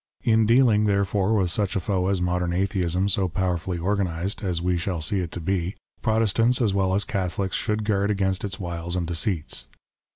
In dealing, therefore, with such a foe as modern Atheism, so powerfully organized, as we shall see it to be, Protestants as well as Catholics should guard against its wiles and deceits.